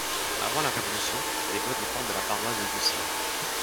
Avant la Révolution, les Vaux dépendent de la paroisse de Doucier.